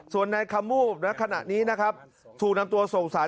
ส่วนในคำมูบนะขณะนี้นะครับถูกนำตัวส่งสาร